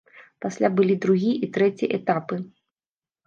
Пасля былі другі і трэці этапы.